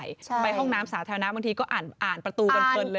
เพราะว่าเดือนจะไปห้องน้ำสาธารณะบางทีก็อ่านประตูเป็นควรเลย